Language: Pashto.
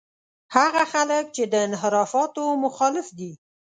هغه خلک چې د انحرافاتو مخالف دي.